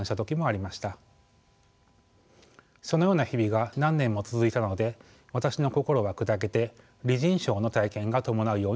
そのような日々が何年も続いたので私の心は砕けて離人症の体験が伴うようになりました。